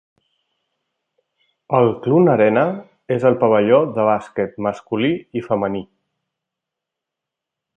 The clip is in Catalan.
El Clune Arena és el pavelló de bàsquet masculí i femení.